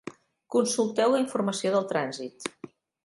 Consulteu la informació del trànsit.